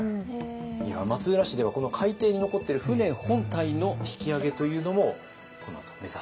松浦市ではこの海底に残っている船本体の引き揚げというのもこのあと目指すと。